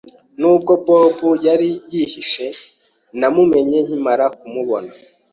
Nubwo Bob yari yihishe, namumenye nkimara kumubona.